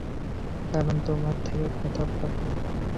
কারণ তোমার থেকে মুক্তি পাবে।